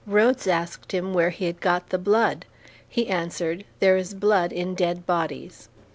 Rhodes asked him where he had got the blood. He answered, "There is blood in dead bodies."